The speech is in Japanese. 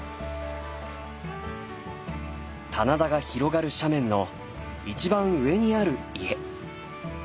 棚田が広がる斜面の一番上にある家。